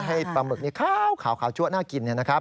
ให้ปลาหมึกนี้ขาวชั่วน่ากินนะครับ